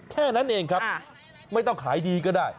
แค่นั้นเองครับไม่ต้องขายดีก็ได้